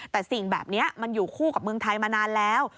แต่สิ่งแบบนี้มันอยู่คู่กับเมืองไทยมานานแล้ว